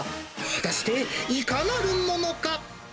果たしていかなるものか。